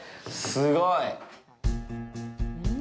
すごい。